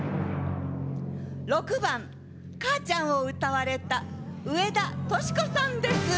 ６番「かあちゃん」を歌われた上田淑子さんです。